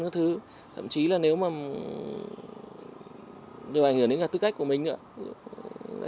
thậm chí là nếu mà đều ảnh hưởng đến cả tư cách của mình nữa